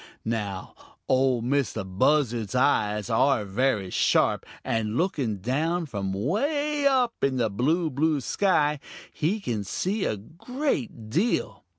Now Ol' Mistah Buzzard's eyes are very sharp, and looking down from way up in the blue, blue sky he can see a great deal.